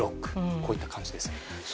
こういった感じです。